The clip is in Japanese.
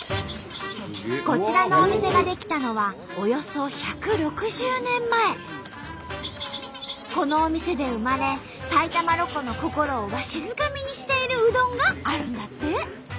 こちらのお店が出来たのはおよそこのお店で生まれ埼玉ロコの心をわしづかみにしているうどんがあるんだって。